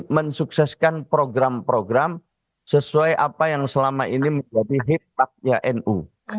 mensukseskan program program sesuai apa yang selama ini menjadi hikmatnya nu